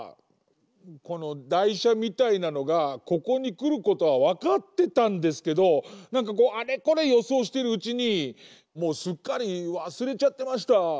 このだいしゃみたいなのがここにくることはわかってたんですけどなんかこうあれこれよそうしてるうちにもうすっかりわすれちゃってました。